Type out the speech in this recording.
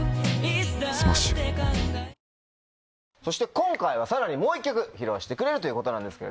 今回はさらにもう１曲披露してくれるということです。